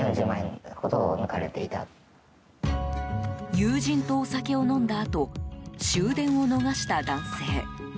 友人とお酒を飲んだあと終電を逃した男性。